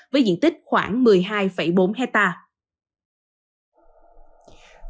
với diện tích khoảng một mươi hai bốn hectare